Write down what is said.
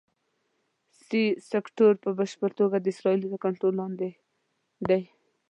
سي سیکټور په بشپړه توګه د اسرائیلو تر کنټرول لاندې دی.